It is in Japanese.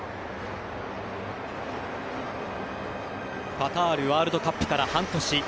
カタールワールドカップから半年。